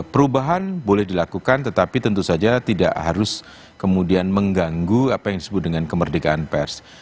perubahan boleh dilakukan tetapi tentu saja tidak harus kemudian mengganggu apa yang disebut dengan kemerdekaan pers